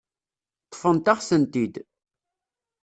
Ṭṭfent-aɣ-tent-id.